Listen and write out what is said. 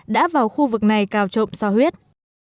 đã vào khu vực này cào trộm sò huyết